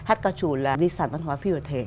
hát ca trù là di sản văn hóa phi vật thể